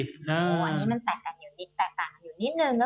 อันนี้มันแตกต่างอยู่นิดแตกต่างอยู่นิดนึง